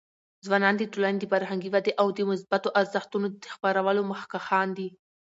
ځوانان د ټولنې د فرهنګي ودي او د مثبتو ارزښتونو د خپرولو مخکښان دي.